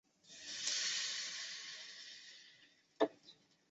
孔佩尔人口变化图示